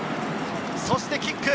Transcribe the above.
そしてキック。